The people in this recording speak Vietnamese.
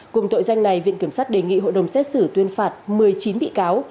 cùng tội danh này viện kiểm sát đề nghị hội đồng xét xử tuyên phạt một mươi chín bị cáo